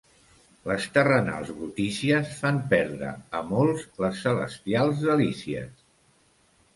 Les terrenals brutícies fan perdre a molts les celestials delícies.